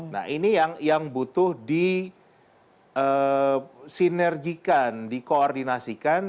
nah ini yang butuh disinergikan dikoordinasikan